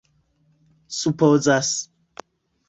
supozas